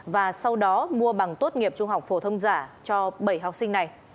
và sau đó mua bằng tốt nghiệp trung học phổ thông giả cho bảy học sinh này